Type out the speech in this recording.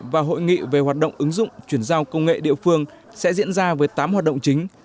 và hội nghị về hoạt động ứng dụng chuyển giao công nghệ địa phương sẽ diễn ra với tám hoạt động chính